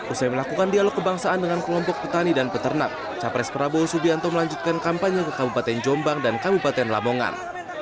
usai melakukan dialog kebangsaan dengan kelompok petani dan peternak capres prabowo subianto melanjutkan kampanye ke kabupaten jombang dan kabupaten lamongan